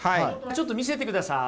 ちょっと見せてください。